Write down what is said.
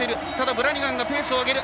ブラニガンがペースを上げる。